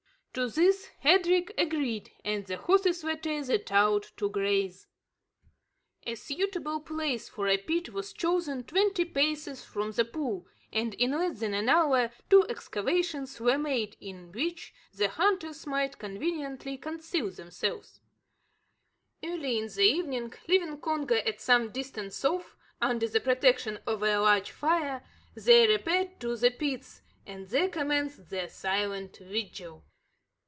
To this Hendrik agreed; and the horses were tethered out to graze. A suitable place for a pit was chosen twenty paces from the pool, and, in less than an hour, two excavations were made, in which the hunters might conveniently conceal themselves. Early in the evening, leaving Congo at some distance off, under the protection of a large fire, they repaired to the pits, and there commenced their silent vigil.